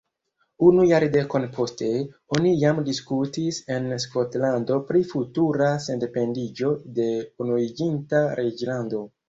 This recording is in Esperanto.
Unu jardekon poste, oni jam diskutis en Skotlando pri futura sendependiĝo de Unuiĝinta Reĝlando.